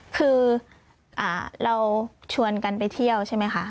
คือเราชวนกันไปเที่ยวใช่ไหมคะ